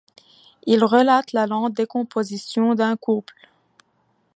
Il relate la lente décomposition d'un couple.